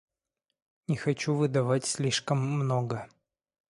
Не хочу выдавать слишком много.